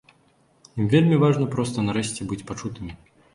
Ім вельмі важна проста нарэшце быць пачутымі.